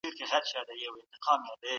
هر حکومت د پوخوالي پړاو ته رسېږي.